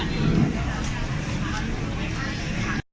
โปรดติดตามตอนต่อไป